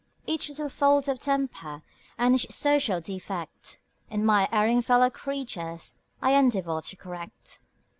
Each little fault of temper and each social defect In my erring fellow creatures, I endeavor to correct.